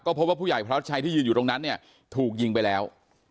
พบว่าผู้ใหญ่พระชัยที่ยืนอยู่ตรงนั้นเนี่ยถูกยิงไปแล้ว